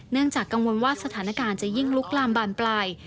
จากกังวลว่าสถานการณ์จะยิ่งลุกลามบานปลาย